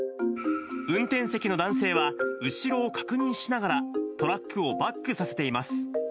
運転席の男性は、後ろを確認しながらトラックをバックさせています。